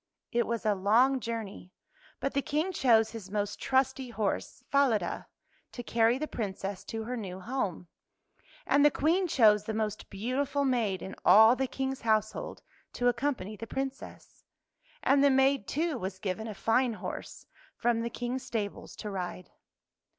It was a long journey, but the King chose his most trusty horse, Falada, to carry the Princess to her new home; and [ 125 ] FAVORITE FAIRY TALES RETOLD the Queen chose the most beautiful maid in all the King's household to accompany the Princess. And the maid, too, was given a fine horse, from the King's stables, to ride.